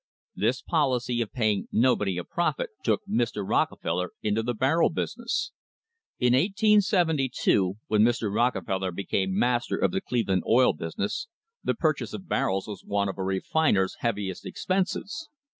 * This policy of paying nobody a profit took Mr. Rockefeller into the barrel business. In 1872, when Mr. Rockefeller became master of the Cleveland oil business, the purchase of barrels was one of a refiner's heaviest expenses.